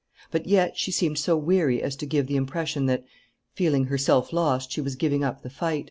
But yet she seemed so weary as to give the impression that, feeling herself lost, she was giving up the fight.